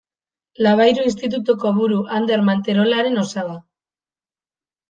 Labayru Institutuko buru Ander Manterolaren osaba.